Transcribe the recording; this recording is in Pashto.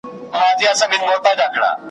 پېړۍ په ویښه د کوډګرو غومبر وزنګول `